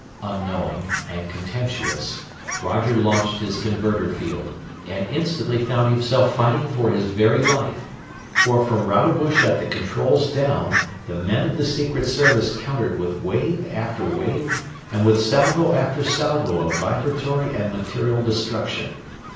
Unknowing and contemptuous, Roger launched his converter field, and instantly found himself fighting for his very life. For from Rodebush at the controls down, the men of the Secret Service countered with wave after wave and with salvo after salvo of vibratory and material destruction.